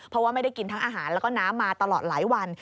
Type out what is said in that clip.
เพราะว่าไม่ได้กินทั้งอาหารแล้วก็น้ำมาตลอดหลายวัน